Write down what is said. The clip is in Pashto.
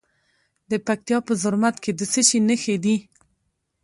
د پکتیا په زرمت کې د څه شي نښې دي؟